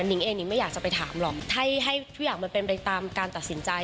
ิ้งเองนิ้งไม่อยากจะไปถามหรอกให้ทุกอย่างมันเป็นไปตามการตัดสินใจ